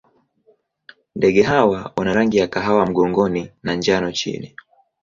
Ndege hawa wana rangi ya kahawa mgongoni na njano chini.